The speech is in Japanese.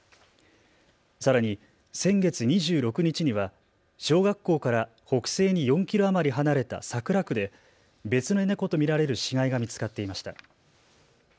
さらに先月２６日には小学校から北西に４キロ余り離れた桜区で別の猫と見られる死骸が見つかっていました。